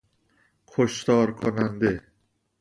کشتار کننده